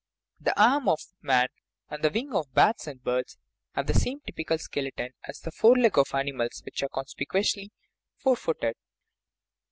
The " arm " of man and the "wing" of bats and birds have the same typical skele ton as the foreleg of the animals which are conspicu ously " four footed."